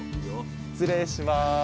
失礼します。